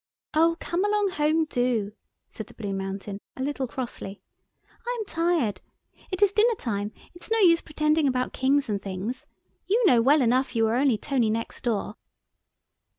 "Oh, come along home, do," said the Blue Mountain, a little crossly. "I am tired. It is dinner time, it's no use pretending about Kings and things. You know well enough you are only Tony next door."